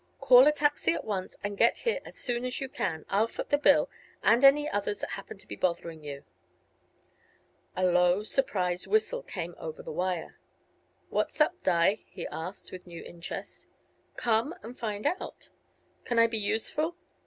Call a taxi at once, and get here as soon as you can. I'll foot the bill and any others that happen to be bothering you." A low, surprised whistle came over the wire. "What's up, Di?" he asked, with new interest. "Come and find out." "Can I be useful?"